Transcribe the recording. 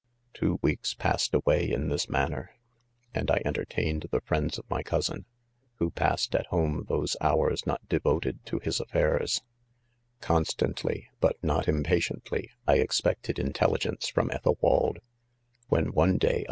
& Two weeks passed away in this 'manner, and : "I "entertained the friends of my cousin, who passed at 'home 1 those hours not devoted toihis affairs,, '■■■'* Constantly, hut not impatiently, 1 expect ed intelligence from 'Ethelwald ; when one day a